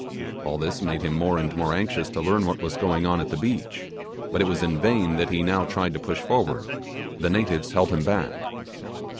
All this made him more and more anxious to learn what was going on at the beach; but it was in vain that he now tried to push forward; the natives held him back.